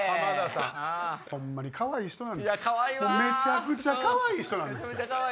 ホンマにかわいい人なんですめちゃくちゃかわいい人です。